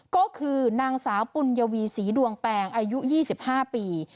ก็คือนางสาวปุญวีศรีดวงแปงอายุ๒๕ปี